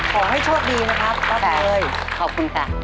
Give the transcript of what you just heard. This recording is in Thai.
ขอให้โชคดีนะครับป้าแบยขอบคุณค่ะ